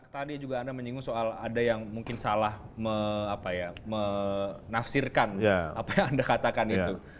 tadi juga anda menyinggung soal ada yang mungkin salah menafsirkan apa yang anda katakan itu